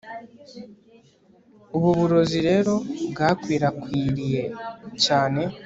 ubu burozi rero bwakwirakwiriye cyane